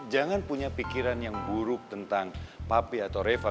sayang sayang jangan punya pikiran yang buruk tentang papi atau ribet